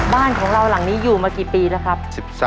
บ้านของเราหลังนี้อยู่มากี่ปีแล้วครับ